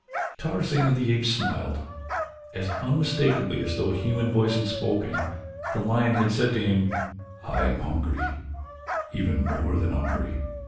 Tarzan of the Apes smiled. As unmistakably as though a human voice had spoken, the lion had said to him "I am hungry, even more than hungry.